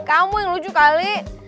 kamu yang lucu kali